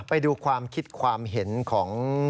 ไปดูความคิดความเห็นของ